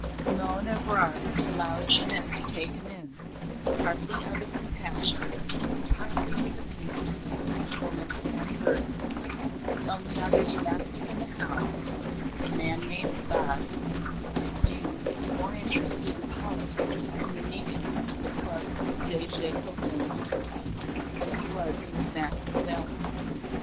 Simonne Evrard allowed Jeannette to take him in, partly out of compassion and partly with a view to easing the woman's own burden, the only other domestic in the house a man named Bas being more interested in politics and the meetings of the Club des Jacobins than he was in his master's ailments.